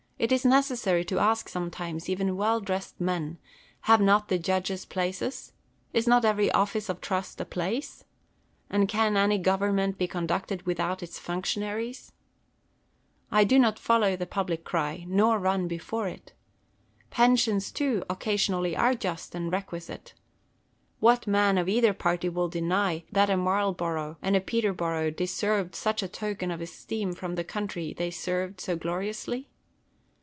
It is necessary to ask sometimes even well dressed men, have not the judges places 1 is not every office of trust a place 1 and can any government be conducted without its functionaries ? I do not follow the public cry, nor run before it. Pensions, too, occasionally are just and requisite. What man of either party will deny, that a Marlborough and a Peterborough deserved such a token of esteem from the country they served so gloriously